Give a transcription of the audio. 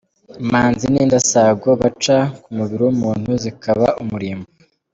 Imanzi ni indasago baca ku mubiri w’umuntu, zikaba umurimbo.